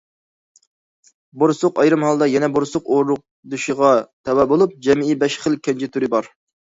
بورسۇق ئايرىم ھالدا يەنە بورسۇق ئۇرۇقدىشىغا تەۋە بولۇپ، جەمئىي بەش خىل كەنجى تۈرى بار.